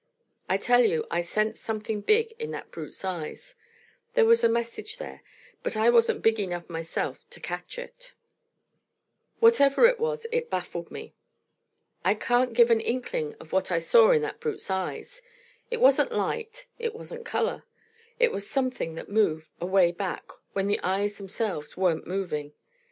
I tell you I sensed something big in that brute's eyes; there was a message there, but I wasn't big enough myself to catch it. Whatever it was (I know I'm making a fool of myself) whatever it was, it baffled me. I can't give an inkling of what I saw in that brute's eyes; it wasn't light, it wasn't color; it was something that moved, away back, when the eyes themselves weren't moving.